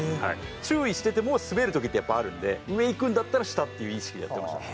注意してても滑る時ってやっぱあるんで上いくんだったら下っていう意識でやってましたね。